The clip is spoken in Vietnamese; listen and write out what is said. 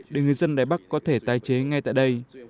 để người dân đài bắc có thể tái chế ngay tại đây